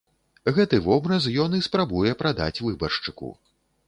Гэты вобраз ён і спрабуе прадаць выбаршчыку.